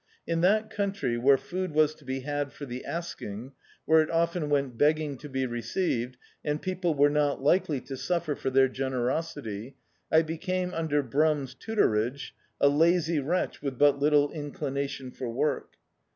In that coun try, where food was to be had for the asking, where it often went begging to be received, and people were not likely to suffer for their generosity, I be came, under Brum's tutorage, a lazy wretch with but little inclination for work.